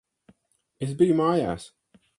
Es biju mājās.